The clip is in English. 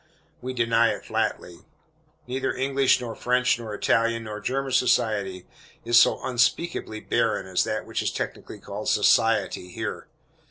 We deny it, flatly. Neither English, nor French, nor Italian, nor German society, is so unspeakably barren as that which is technically called "society" here.